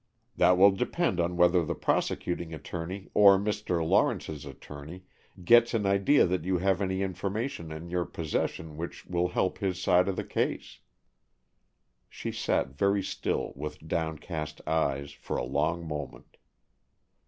"That will depend on whether the prosecuting attorney or Mr. Lawrence's attorney gets an idea that you have any information in your possession which will help his side of the case." She sat very still, with downcast eyes, for a long moment.